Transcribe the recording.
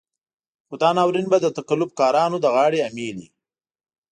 خو دا ناورين به د تقلب کارانو د غاړې امېل وي.